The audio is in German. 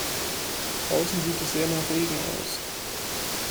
Draußen sieht es sehr nach Regen aus.